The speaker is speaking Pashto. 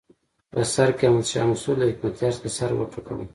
په سر کې احمد شاه مسعود له حکمتیار څخه سر وټکاوه.